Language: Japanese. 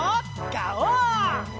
ガオー！